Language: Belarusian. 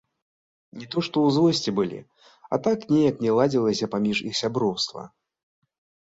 Не то што ў злосці былі, а так неяк не ладзілася паміж іх сяброўства.